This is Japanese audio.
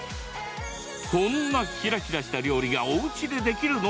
こんなキラキラした料理がおうちで、できるの？